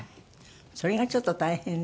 それがちょっと大変ね。